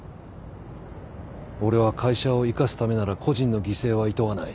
俺は会社を生かすためなら個人の犠牲はいとわない。